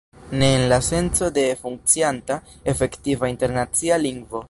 Ne en la senco de funkcianta, efektiva internacia lingvo.